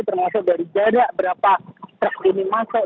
termasuk dari jarak berapa truk ini masuk